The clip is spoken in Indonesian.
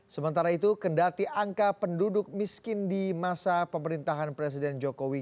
sementara itu kendati angka penduduk miskin di masa pemerintahan presiden jokowi